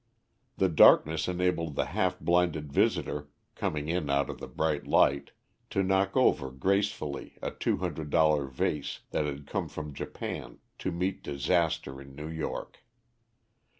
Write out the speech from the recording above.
The darkness enabled the half blinded visitor, coming in out of the bright light, to knock over gracefully a $200 vase that had come from Japan to meet disaster in New York.